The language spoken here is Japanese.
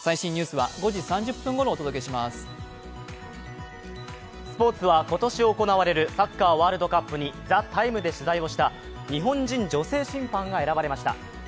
スポーツは今年行われるサッカー・ワールドカップに「ＴＨＥＴＩＭＥ，」で取材をした日本人女性審判が選ばれました。